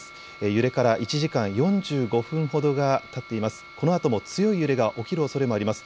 揺れから１時間４５分ほどが、たっています。